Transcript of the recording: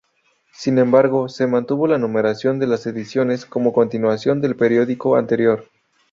Sin embargo, se mantuvo la numeración de las ediciones como continuación del periódico anterior.